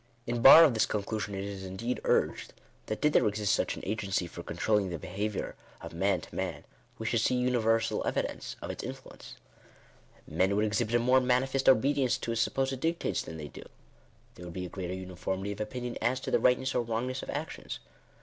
In bar of this conclusion it is indeed urged, that did there exist such an agency for controlling the behaviour of man to man, we should see universal evidence of its influence. Men would exhibit a more manifest obedience to its supposed dic tates than they do. There would be a greater uniformity of opinion as to the tightness or wrongness of actions.